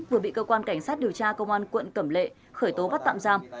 vừa bị cơ quan cảnh sát điều tra công an quận cẩm lệ khởi tố bắt tạm giam